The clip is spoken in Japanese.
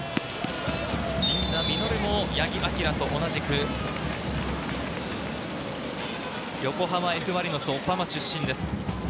陣田成琉も八木玲と同じく、横浜Ｆ・マリノス、横浜出身です。